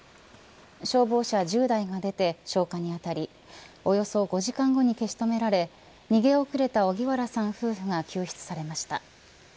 消防車１０台が出て消火にあたりおよそ５時間後に消し止められ逃げ遅れた荻原さん夫婦が救出されました。